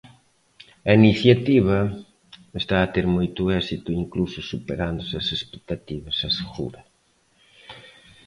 A iniciativa está a ter moito éxito incluso superáronse as expectativas, asegura.